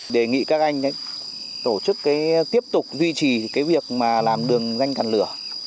đề nghị các anh tổ chức tiếp tục duy trì việc làm đường danh cản lửa